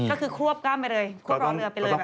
ก็คือควบกล้ามไปเลยควบรอเรือไปเลย